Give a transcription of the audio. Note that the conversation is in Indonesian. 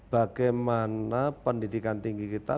bagaimana pendidikan tinggi kita